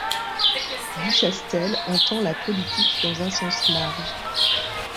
Duchastel entend la politique dans un sens large.